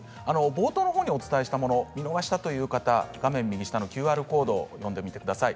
冒頭でお伝えしたものを見逃したという方は画面右下のＱＲコードを読んでみてください。